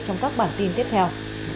trong các bản tin tiếp theo